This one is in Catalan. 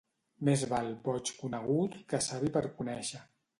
Més val boig conegut que savi per conèixer